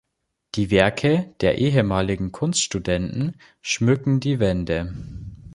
Die Werke der ehemaligen Kunststudenten schmücken die Wände.